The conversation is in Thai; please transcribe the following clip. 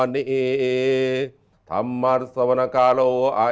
พี่ข้าพเจ้า